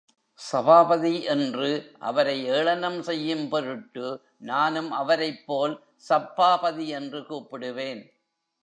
சபாபதி என்று, அவரை ஏளனம் செய்யும் பொருட்டு, நானும் அவரைப்போல் சப்பாபதி என்று கூப்பிடுவேன்.